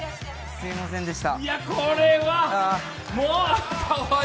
すいませんでした。